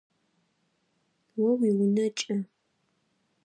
О уиунэ кӏэ.